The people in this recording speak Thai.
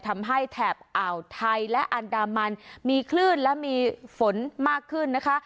แถบอ่าวไทยและอันดามันมีคลื่นและมีฝนมากขึ้นนะคะ